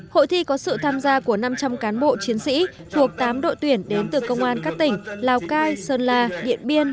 hội thi có sự tham gia của năm trăm linh cán bộ chiến sĩ thuộc tám đội tuyển đến từ công an các tỉnh lào cai sơn la điện biên